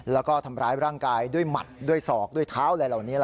แล้วก็ทำร้ายร่างกายด้วยหมัดด้วยศอกด้วยเท้าอะไรเหล่านี้